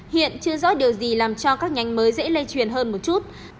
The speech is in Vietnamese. hiện chưa rõ điều gì làm cho các nhánh mới dễ lây truyền hơn một chút